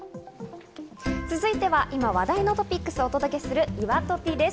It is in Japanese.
続いては今話題のトピックスをお届けするいわトピです。